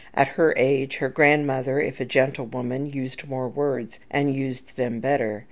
At her age, her grandmother, if a gentlewoman, used more words, and used them better.